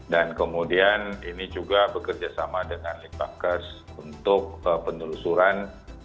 dan kemudian ini juga bekerjasama dengan link bankers untuk penelusuran